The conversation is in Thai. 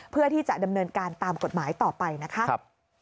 เพื่อที่จะดำเนินการตามกฎหมายต่อไปนะคะ